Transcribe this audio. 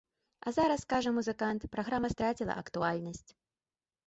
А зараз, кажа музыкант, праграма страціла актуальнасць.